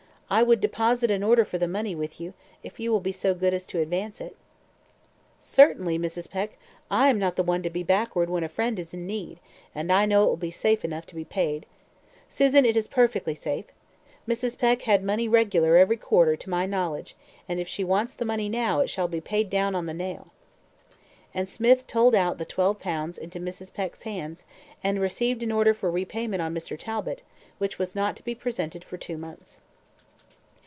I would deposit an order for the money with you if you will be so good as to advance it." "Certainly, Mrs. Peck, I am not the one to be backward when a friend is in need, and I know it will be safe enough to be paid. Susan, it is perfectly safe. Mrs. Peck had money regular every quarter, to my knowledge; and if she wants the money now, it shall be paid down on the nail." And Smith told out the twelve pounds into Mrs. Peck's hands, and received an order for repayment on Mr. Talbot, which was not to be presented for two months.